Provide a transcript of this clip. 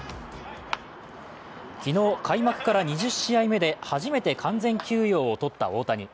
昨日、開幕から２０試合目で初めて完全休養をとった大谷。